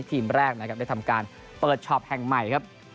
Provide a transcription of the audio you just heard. ทีมแรกได้ทำการเปิดชอบแห่งใหม่